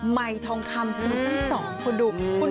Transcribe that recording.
ไมค์ท้องคำซินซัง๒